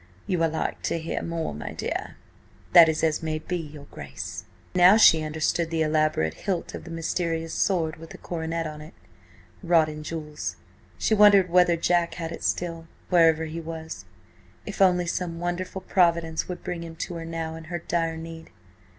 "You are like to hear more, my dear." "That is as may be, your Grace." Now she understood the elaborate hilt of the mysterious sword with the coronet on it, wrought in jewels. She wondered whether Jack had it still, wherever he was. If only some wonderful providence would bring him to her now in her dire need!